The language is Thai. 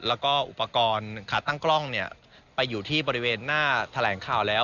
แล้วก็อุปกรณ์ขาตั้งกล้องเนี่ยไปอยู่ที่บริเวณหน้าแถลงข่าวแล้ว